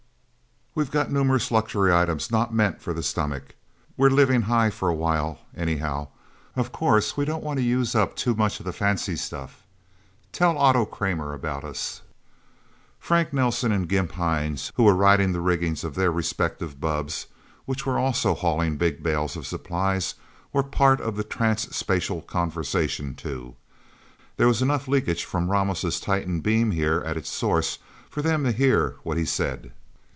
We've got numerous luxury items not meant for the stomach. We're living high for a while, anyhow. Of course we don't want to use up too much of the fancy stuff. Tell Otto Kramer about us..." Frank Nelsen and Gimp Hines, who were riding the rigging of their respective bubbs, which were also hauling big bales of supplies, were part of the trans spatial conversation, too. There was enough leakage from Ramos' tightened beam, here at its source, for them to hear what he said.